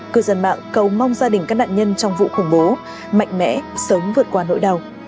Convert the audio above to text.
cư dân mạng cầu mong gia đình các nạn nhân trong vụ khủng bố mạnh mẽ sớm vượt qua nỗi đau